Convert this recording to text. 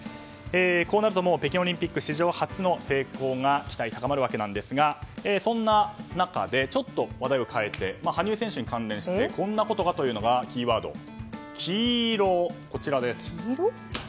こうなるともう北京オリンピック史上初の成功が期待が高まるわけですがそんな中でちょっと話題を変えて羽生選手に関連してこんな言葉がということでキーワード、キイロ。